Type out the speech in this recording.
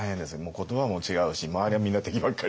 言葉も違うし周りはみんな敵ばっかりだし。